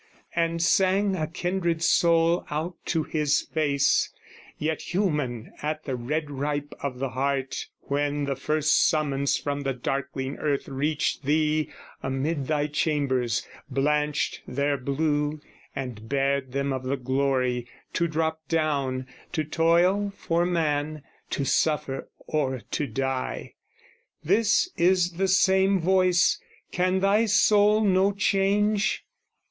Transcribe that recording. And sang a kindred soul out to his face, Yet human at the red ripe of the heart When the first summons from the darkling earth Reached thee amid thy chambers, blanched their blue, And bared them of the glory to drop down, To toil for man, to suffer or to die, This is the same voice: can thy soul know change?